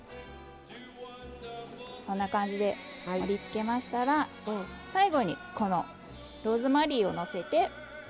こんな感じで盛りつけましたら最後にローズマリーをのせて。